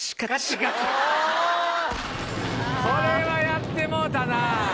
これはやってもうたな。